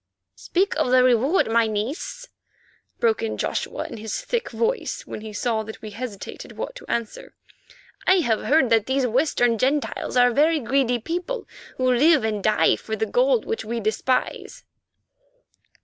"Speak of the reward, my niece," broke in Joshua in his thick voice when he saw that we hesitated what to answer, "I have heard that these Western Gentiles are a very greedy people, who live and die for the gold which we despise."